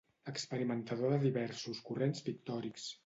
Experimentador de diversos corrents pictòrics.